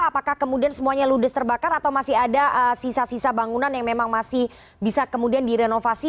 apakah kemudian semuanya ludes terbakar atau masih ada sisa sisa bangunan yang memang masih bisa kemudian direnovasi